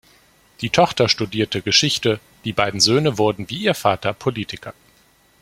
Die Tochter studierte Geschichte, die beiden Söhne wurden wie ihr Vater Politiker.